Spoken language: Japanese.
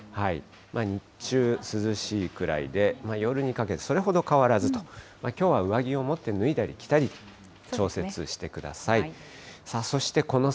日中、涼しいくらいで、夜にかけて、それほど変わらずと、きょうは上着を持って、脱いだり着たりで調節してください。